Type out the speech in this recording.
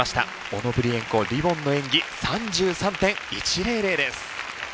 オノブリエンコリボンの演技３３．１００です。